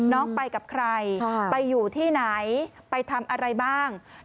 น้องไปกับใครไปอยู่ที่ไหนไปทำอะไรบ้าง